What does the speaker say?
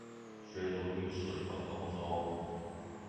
學如逆水廣東粥